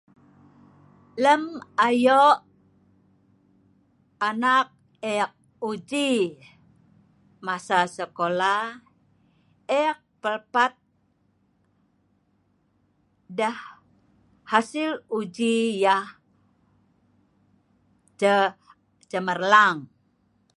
lem ayok anak ek uji masa sekola ek pelpat deh hasil uji yeh ce cemerlang